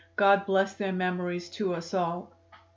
God bless their memories to us all."